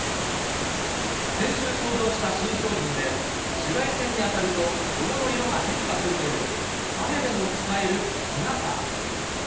先週登場した新商品で、紫外線に当たると、ロゴの色が変化するという、雨でも使える日傘。